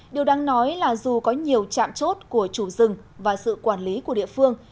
điều đáng nói là dù có nhiều trạm chốt của chủ rừng và sự quản lý của địa phương